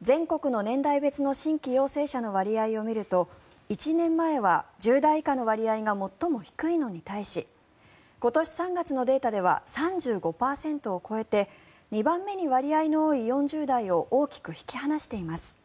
全国の年代別の新規陽性者の割合を見ると１年以下は１０代以下の割合が最も低いのに対し今年３月のデータでは３５％を超えて２番目に割合の多い４０代を大きく引き離しています。